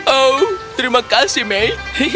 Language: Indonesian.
oh terima kasih mei